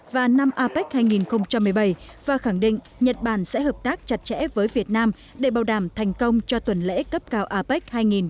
và năm apec hai nghìn một mươi bảy và khẳng định nhật bản sẽ hợp tác chặt chẽ với việt nam để bảo đảm thành công cho tuần lễ cấp cao apec hai nghìn một mươi chín